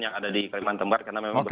yang ada di kalimantan barat karena memang